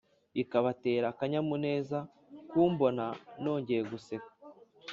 bikabatera akanyamuneza kumbona nongeye guseka